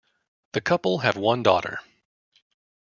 The couple have one daughter.